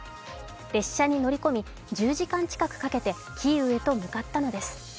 列車に乗り込み、１０時間近くかけてキーウへと向かったのです。